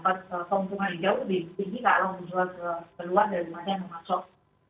bisa dapat penggunaan jauh lebih tinggi kalau menjual ke luar dari mana yang memasok pln